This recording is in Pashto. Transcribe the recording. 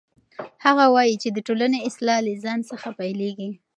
هغه وایي چې د ټولنې اصلاح له ځان څخه پیلیږي.